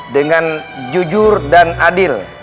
dengan jujur dan adil